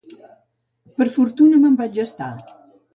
Per fortuna me'n vaig estar.